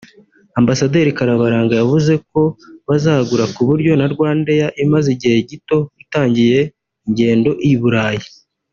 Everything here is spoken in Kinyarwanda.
Ambasaderi Karabaranga yavuze ko bazagura ku buryo na RwandAir imaze igihe gito itangiye ingendo i Burayi